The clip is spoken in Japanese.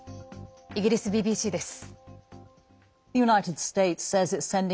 イギリスＢＢＣです。